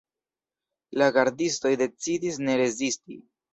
La gardistoj decidis ne rezisti.